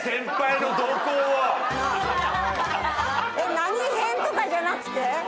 何偏とかじゃなくて？